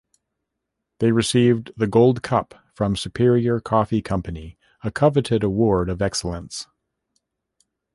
They received the "Gold Cup" from Superior Coffee Company, a coveted award of excellence.